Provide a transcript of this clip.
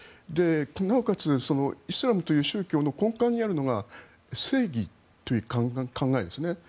なおかつ、イスラムという宗教の根幹にあるのが正義という考えですね。